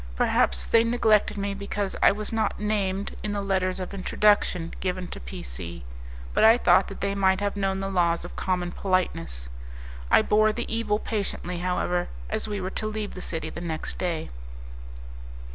Perhaps they neglected me because I was not named in the letters of introduction given to P C , but I thought that they might have known the laws of common politeness. I bore the evil patiently, however, as we were to leave the city the next day.